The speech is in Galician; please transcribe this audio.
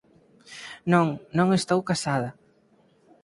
Non, non estou casada.